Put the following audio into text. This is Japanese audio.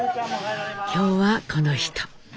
今日はこの人。